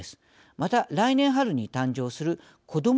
また、来年春に誕生するこども